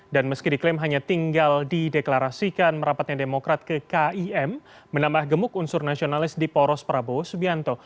dan meski diklaim hanya tinggal dideklarasikan merapatnya demokrat ke kim menambah gemuk unsur nasionalis di poros prabowo subianto